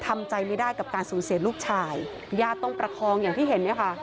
ทำใจไม่ได้กับการสูญเสียลูกชายญาติต้องประคองอย่างที่เห็นเนี่ยค่ะ